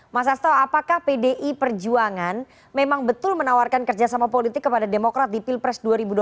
mas hasto apakah pdi perjuangan memang betul menawarkan kerjasama politik kepada demokrat di pilpres dua ribu dua puluh